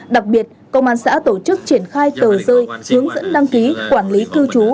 đặc biệt công an xã tổ chức triển khai tờ rơi hướng dẫn đăng ký quản lý cư trú